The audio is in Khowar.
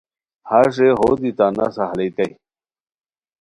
ہݰ رے ہو دی تان نسہ ہالیتائے